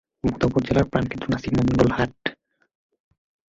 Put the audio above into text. বোদা উপজেলার প্রান কেন্দ্র নাসির মন্ডল হাট।